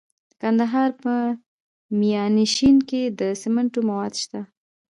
د کندهار په میانشین کې د سمنټو مواد شته.